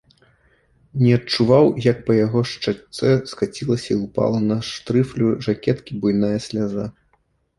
Не адчуваў, як па яго шчацэ скацілася і ўпала на штрыфлю жакеткі буйная сляза.